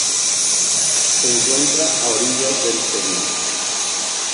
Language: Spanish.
Se encuentra a orillas del Sena.